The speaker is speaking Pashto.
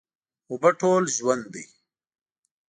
اوبه ټول ژوند دي.